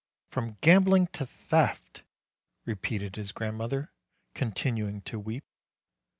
"From gambling to theft!" repeated his grand mother, continuing to weep.